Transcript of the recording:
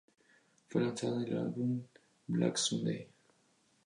Fue lanzada en el álbum "Black Sunday".